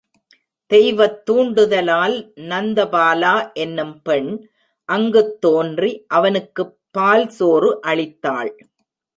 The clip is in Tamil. தெய்வத் தூண்டுதலால் நந்த பலா எனும் பெண் அங்குத்தோன்றி அவனுக்குப் பால்சோறு அளித்தாள்.